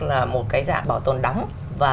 là một cái dạng bảo tồn đóng và